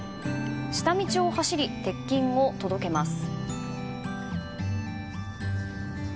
下道を走り、鉄筋を届けます。